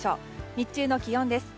日中の気温です。